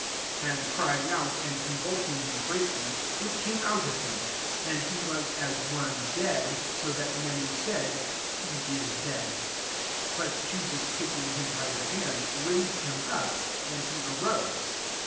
26 And cry ing out, and convulsing him gi'eatly, it came out of him ; and he was as one dead ; so that many said, " He is dead." 27 But Jesus taking him by the hand, raised him up; and he arose.